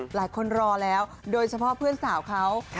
หลายคนรอแล้วโดยเฉพาะเพื่อนสาวเค้าค่ะ